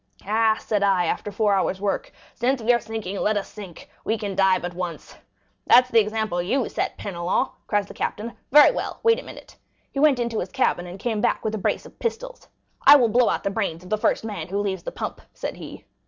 'Ah,' said I, after four hours' work, 'since we are sinking, let us sink; we can die but once.' 'Is that the example you set, Penelon?' cries the captain; 'very well, wait a minute.' He went into his cabin and came back with a brace of pistols. 'I will blow the brains out of the first man who leaves the pump,' said he."